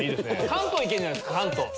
関東いけるんじゃないですか？